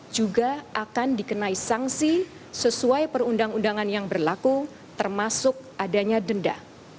juga akan dikenai sanksi sesuai perundang undangan yang berlaku termasuk adanya denda